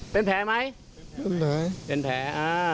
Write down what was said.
เป็นแผลไหมเป็นแผล